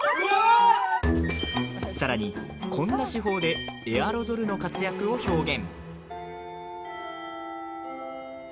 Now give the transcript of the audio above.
さらに、こんな手法でエアロゾルの活躍を表現。